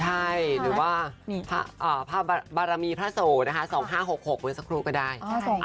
ใช่หรือว่าบารมีพระโสนะคะ๒๕๖๖เมื่อสักครู่ก็ได้